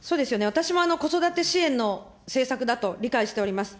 私も子育て支援の政策だと理解しております。